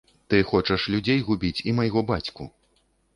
Ты хочаш людзей губіць і майго бацьку.